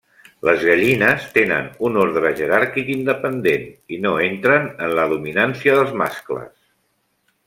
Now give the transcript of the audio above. Les gallines tenen un ordre jeràrquic independent i no entren en la dominància dels mascles.